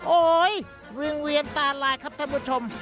โอ้โหวิ่งเวียนตาลายครับท่านผู้ชม